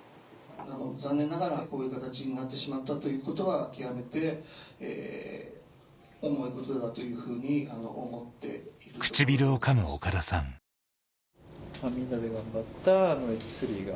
・残念ながらこういう形になってしまったということは極めて重いことだというふうに思っているところでございまして・そこで。